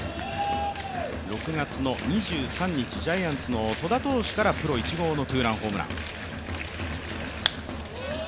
６月２３日、ジャイアンツの戸田投手からプロ１号のツーランホームラン。